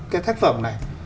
cái tác phẩm này